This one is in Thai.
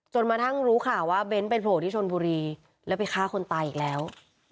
กระทั่งรู้ข่าวว่าเบ้นไปโผล่ที่ชนบุรีแล้วไปฆ่าคนตายอีกแล้ว